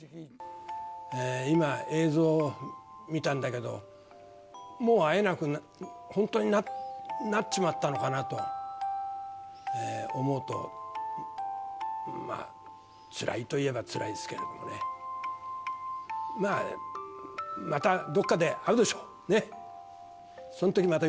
今、映像見たんだけど、もう会えなく、本当になっちまったのかなと思うと、つらいといえばつらいですけどね、まあ、またどっかで会うでしょう。